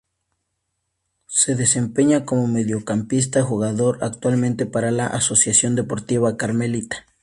Se desempeña como mediocampista jugando actualmente para la Asociación Deportiva Carmelita.